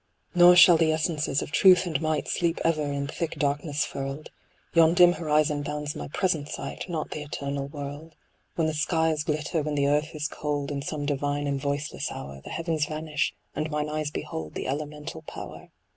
Nor shall the essences of Truth and Might Sleep ever in thick darkness furled : Yon dim horizon bounds my present sight, Not the eternal world. When the skies glitter, when the earth is cold, In some divine and voiceless hour, The heavens vanish, and mine eyes behold The elemental Power.